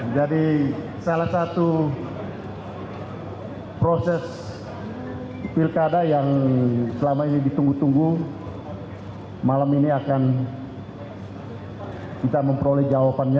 jadi salah satu proses pilkada yang selama ini ditunggu tunggu malam ini akan kita memperoleh jawabannya